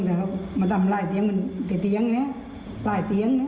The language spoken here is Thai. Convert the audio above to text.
แต่เขามาทำร้ายเตี๊ยงมันเป็นเตี๊ยงเนี่ยร้ายเตี๊ยงเนี่ย